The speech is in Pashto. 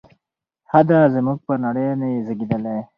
ښه دی زموږ پر نړۍ نه یې زیږیدلی